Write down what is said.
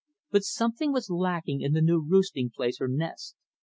But something was lacking in the new roosting place or nest.